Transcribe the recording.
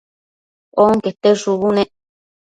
onquete shubu nec